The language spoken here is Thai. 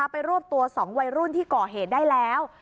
รวบตัว๒วัยรุ่นที่ก่อเหตุได้แล้ว